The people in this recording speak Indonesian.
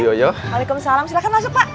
walaikumussalam silahkan masuk pak